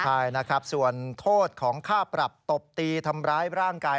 ใช่นะครับส่วนโทษของค่าปรับตบตีทำร้ายร่างกาย